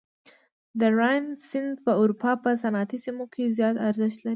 د راین سیند په اروپا په صنعتي سیمو کې زیات ارزښت لري.